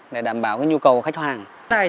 để đảm bảo nhu cầu của khách hàng